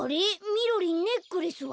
みろりんネックレスは？